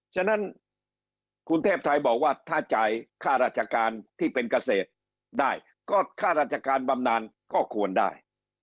ฉะนั้นคุณเทพไทยบอกว่าถ้าจ่ายค่าราชการที่เป็นเกษตรได้ก็ค่าราชการบำนานก็ควรได้